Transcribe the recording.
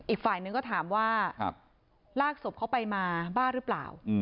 อีกฝ่ายนึงก็ถามว่าลากศพเขาไปมาบ้าหรือเปล่า